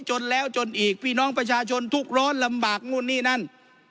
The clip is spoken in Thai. จนแล้วจนอีกพี่น้องประชาชนทุกร้อนลำบากนู่นนี่นั่น